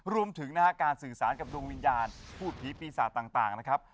รวมถึงนะฮะการสื่อสารกับดวงวิญญาณพูดผีปีศาจต่างนะครับ